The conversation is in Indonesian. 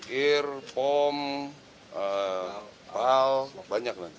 ya dari ir pom pal banyak nanti